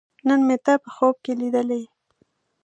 نن مې ته په خوب کې لیدلې